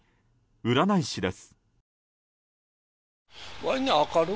占い師です。